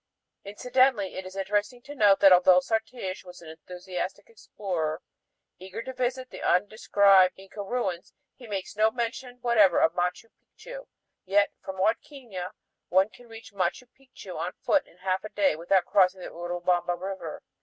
FIGURE Huadquiña Incidentally it is interesting to note that although Sartiges was an enthusiastic explorer, eager to visit undescribed Inca ruins, he makes no mention whatever of Machu Picchu. Yet from Huadquiña one can reach Machu Picchu on foot in half a day without crossing the Urubamba River.